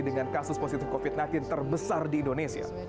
dengan kasus positif covid sembilan belas terbesar di indonesia